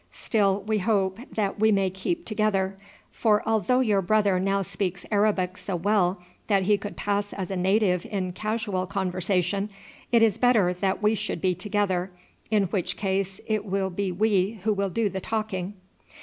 Still we hope that we may keep together; for although your brother now speaks Arabic so well that he could pass as a native in casual conversation, it is better that we should be together, in which case it will be we who will do the talking."